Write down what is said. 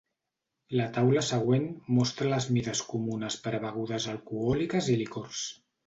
La taula següent mostra les mides comunes per a begudes alcohòliques i licors.